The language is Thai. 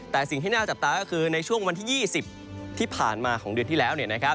แต่สิ่งที่น่าจับตาก็คือในช่วงวันที่๒๐ที่ผ่านมาของเดือนที่แล้ว